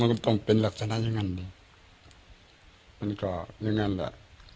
ก็ต้องเป็นลักษณะอย่างนั้นดีมันก็อย่างนั้นแหละ